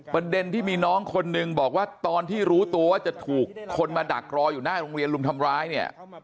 ประเด็นที่มีน้องคนนึงบอกว่าตอนที่รู้ตัวว่าจะถูกคนมาดักรออยู่หน้าโรงเรียนรุมทำร้ายเนี่ย